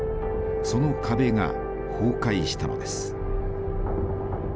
その壁が崩壊したのです。